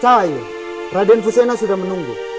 ca ayu raden fusena sudah menunggu